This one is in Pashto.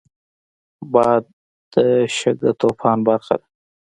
باد د شګهطوفان برخه ده